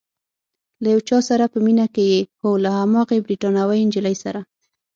له یو چا سره په مینه کې یې؟ هو، له هماغې بریتانوۍ نجلۍ سره؟